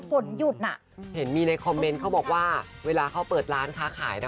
ฝนหยุดน่ะเห็นมีในคอมเมนต์เขาบอกว่าเวลาเขาเปิดร้านค้าขายนะ